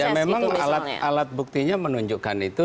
ya memang alat alat buktinya menunjukkan itu